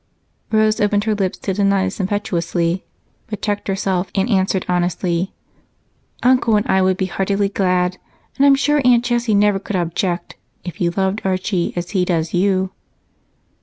Rose opened her lips to deny this impetuously, but checked herself and answered honestly: "Uncle and I would be heartily glad, and I'm sure Aunt Jessie never could object if you loved Archie as he does you."